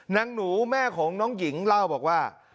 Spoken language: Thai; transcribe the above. นางหนูแม่ของน้องหญิงเล่าบอกว่า